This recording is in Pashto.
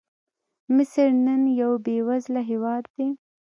مصر نن یو بېوزله هېواد دی.